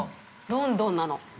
ロンドンなの。